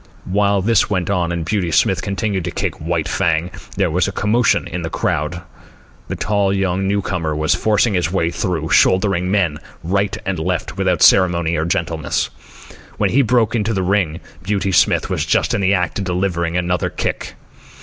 While this went on, and Beauty Smith continued to kick White Fang, there was a commotion in the crowd. The tall young newcomer was forcing his way through, shouldering men right and left without ceremony or gentleness. When he broke through into the ring, Beauty Smith was just in the act of delivering another kick.